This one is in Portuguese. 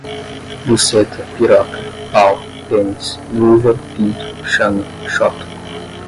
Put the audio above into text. Buceta, piroca, pau, pênis, vulva, pinto, xana, xota